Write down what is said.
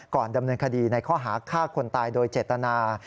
ก่อนดำเนินคดีในข้อหาฆ่าคนตายโดยเจตนา